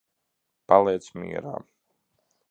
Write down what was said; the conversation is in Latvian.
Paliec mierā.